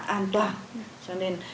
an toàn cho nên